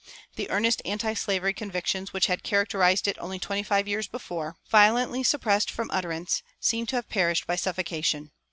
The earnest antislavery convictions which had characterized it only twenty five years before, violently suppressed from utterance, seem to have perished by suffocation.